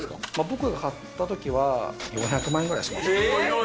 僕が買った時は４００万円ぐらいしました。